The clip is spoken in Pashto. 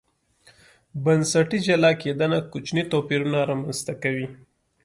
بنسټي جلا کېدنه کوچني توپیرونه رامنځته کوي.